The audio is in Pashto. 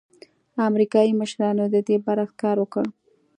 امریکايي مشرانو د دې برعکس کار وکړ.